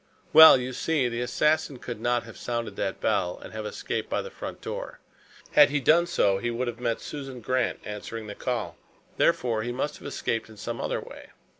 "Well, you see, the assassin could not have sounded that bell and have escaped by the front door. Had he done so, he would have met Susan Grant answering the call. Therefore, he must have escaped in some other way.